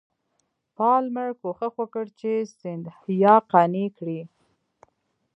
پالمر کوښښ وکړ چې سیندهیا قانع کړي.